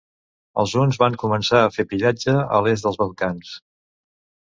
Els huns van començar a fer pillatge a l'est dels Balcans.